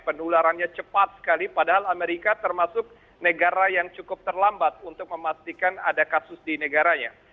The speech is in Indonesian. penularannya cepat sekali padahal amerika termasuk negara yang cukup terlambat untuk memastikan ada kasus di negaranya